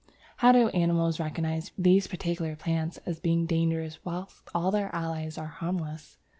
How do animals recognize these particular plants as being dangerous whilst all their allies are harmless?